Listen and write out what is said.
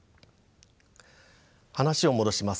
話を戻します。